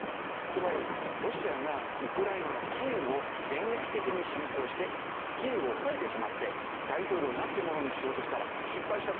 つまりロシアがウクライナのキーウを電撃的に侵攻してキーウを押さえてしまって大統領を亡き者にしようとしたら失敗しちゃったわけでしょ。